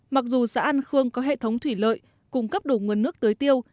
mặc dù xã an khương có hệ thống thủy lợi cung cấp đủ nguồn nước tưới tiêu